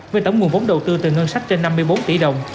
với tổng nguồn vốn đầu tư từ ngân sách trên năm mươi bốn tỷ đồng